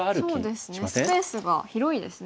スペースが広いですね。